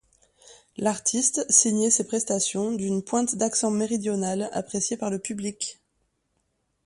L'artiste signait ses prestations d'une pointe d'accent méridional appréciée par le public.